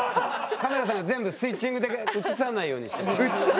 カメラさんが全部スイッチングで映さないようにしてるから。